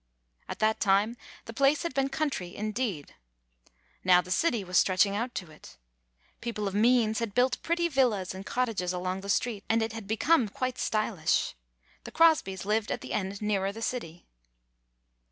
At that time the place had been country in deed. Now the city was stretching out to it. People of means had built pretty villas and cottages along the street, and it had become quite stylish. The Crosbys lived at the end nearer the city.